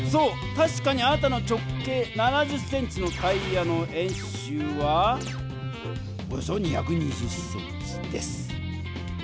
たしかにあなたの直径７０ｃｍのタイヤの円周はおよそ２２０ｃｍです。